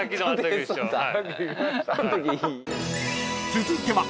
［続いては］